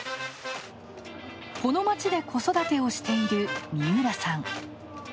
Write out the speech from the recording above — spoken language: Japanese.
この街で子育てをしている三浦さん。